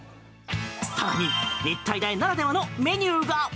更に日体大ならではのメニューが。